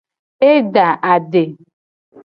E da ade.